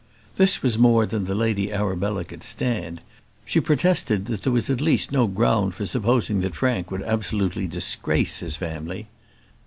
This was more than the Lady Arabella could stand. She protested that there was at least no ground for supposing that Frank would absolutely disgrace his family.